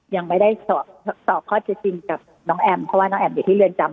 ยังไม่ได้สอบข้อเท็จจริงกับน้องแอมเพราะว่าน้องแอมอยู่ที่เรือนจำ